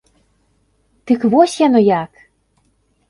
Дык вось яно як!